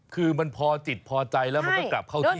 คือมันพอจิตพอใจแล้วมันก็กลับเข้าที่